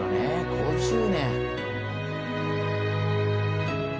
５０年。